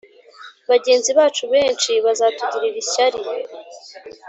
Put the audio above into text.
bagenzi bacu benshi bazatugirira ishyari